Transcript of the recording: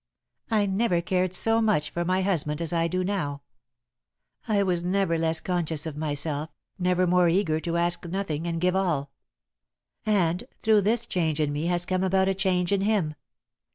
I never cared so much for my husband as I do now; I was never less conscious of myself, never more eager to ask nothing and give all. And, through this change in me has come about a change in him.